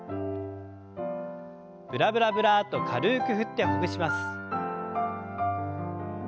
ブラブラブラッと軽く振ってほぐします。